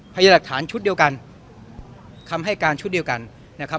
พยายามหลักฐานชุดเดียวกันคำให้การชุดเดียวกันนะครับ